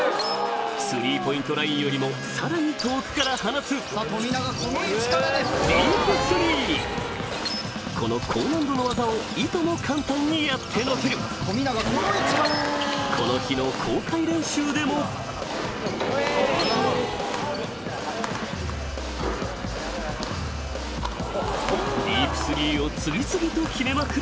３ポイントラインよりもさらに遠くから放つこの高難度の技をいとも簡単にやってのけるこの日の公開練習でもディープスリーを次々と決めまくる